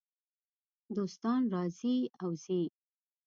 دوستان راځي او ځي .